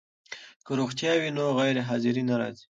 که روغتیا وي نو غیرحاضري نه راځي.